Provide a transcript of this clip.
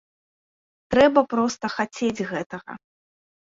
Трэба проста хацець гэтага.